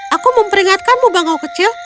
aku memperingatkanmu bango kecil